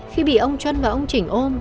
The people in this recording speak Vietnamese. khi bị ông chân và ông chỉnh ôm